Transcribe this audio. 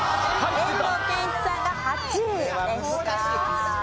遠藤憲一さんが８位でした。